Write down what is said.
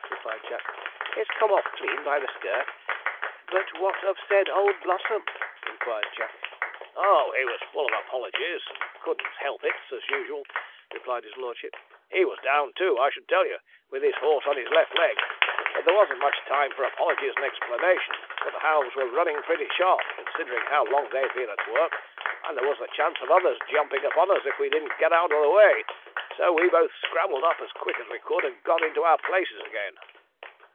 replied Jack; 'it's come off clean by the skirt. But what said Old Blossom?' inquired Jack. 'Oh, he was full of apologies and couldn't helps it as usual,' replied his lordship; 'he was down, too, I should tell you, with his horse on his left leg; but there wasn't much time for apologies or explanation, for the hounds were running pretty sharp, considering how long they had been at work, and there was the chance of others jumping upon us if we didn't get out of the way, so we both scrambled up as quick as we could and got into our places again.'